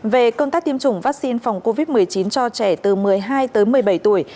về công tác tiêm chủng vaccine phòng covid một mươi chín cho trẻ từ một mươi hai tới một mươi bảy tuổi